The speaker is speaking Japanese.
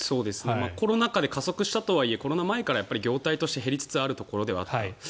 コロナ禍で加速したとはいえコロナ前から業態として減りつつあるものではあった。